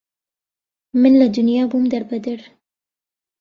من لە دونیا بوم دەر بەدەر